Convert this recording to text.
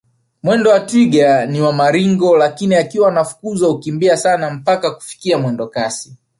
Mwendo wa twiga ni wa maringo lakini akiwa anafukuzwa hukimbia sana mpaka kufikia mwendokasi